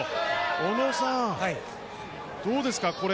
小野さん、どうですかこれ。